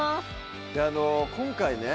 今回ね